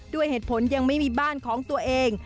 ด้วยเหตุผลยังไม่มีบ้านของตัวเอง